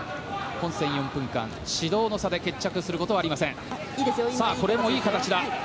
本戦４分間、指導の差で決することはありません。